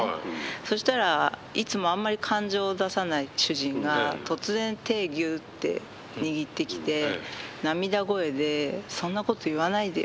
そしたらいつもあんまり感情を出さない主人が突然手ギュッて握ってきて涙声で「そんなこと言わないでよ」